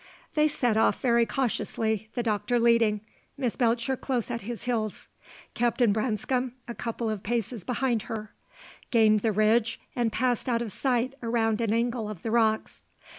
They set off very cautiously, the Doctor leading, Miss Belcher close at his heels. Captain Branscome a couple of paces behind her; gained the ridge, and passed out of sight around an angle of the rocks.